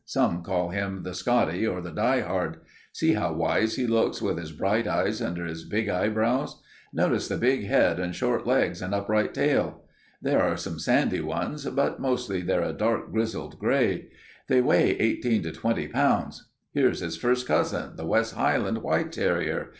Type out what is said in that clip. Some call him the Scottie or the die hard. See how wise he looks, with his bright eyes under his big eyebrows. Notice the big head and short legs and upright tail. There are some sandy ones, but mostly they're a dark grizzled gray. They weigh eighteen to twenty pounds. Here's his first cousin, the West Highland white terrier.